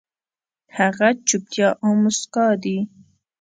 هغه چوپتيا او موسکا دي